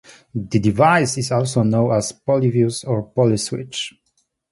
The device is also known as a polyfuse or polyswitch.